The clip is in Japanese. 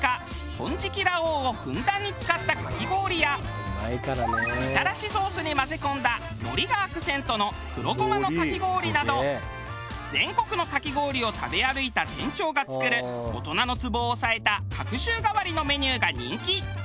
金色羅皇をふんだんに使ったかき氷やみたらしソースに混ぜ込んだのりがアクセントの黒胡麻のかき氷など全国のかき氷を食べ歩いた店長が作る大人のつぼを押さえた隔週変わりのメニューが人気。